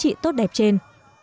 giá trị tốt đẹp trên